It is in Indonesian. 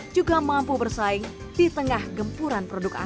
juga mampu bersaing di tengah gempuran perusahaan